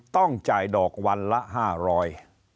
ต้องจ่ายดอกวันละห้าร้อย